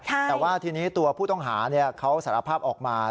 แต่ว่าทีนี้ตัวผู้ต้องหาเขาสารภาพออกมา